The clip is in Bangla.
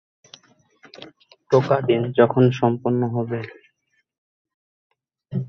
সর্বসাকুল্যে চারবার ক্রিকেট বিশ্বকাপে ইংল্যান্ড দলের পক্ষে প্রতিনিধিত্ব করেন।